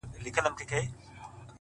• پوره اته دانې سمعان ويلي كړل؛